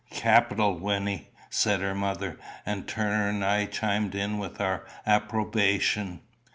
"Capital, Wynnie!" said her mother; and Turner and I chimed in with our approbation.